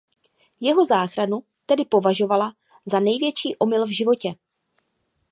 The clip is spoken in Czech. Jeho záchranu tedy považovala za největší omyl v životě.